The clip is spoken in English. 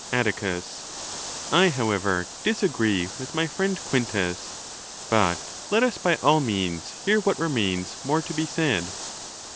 Atticus—I however disagree with my friend Quintus. But let us by all means hear what remains more to be said.